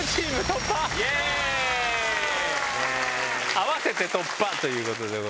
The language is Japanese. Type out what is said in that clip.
合わせて突破！ということです。